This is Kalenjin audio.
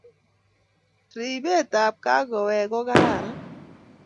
Ribet ab kogowek ko kararan